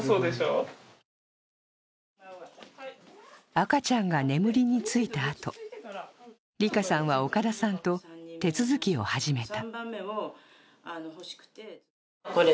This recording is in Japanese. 赤ちゃんが眠りについたあと、りかさんは岡田さんと手続きを始めた。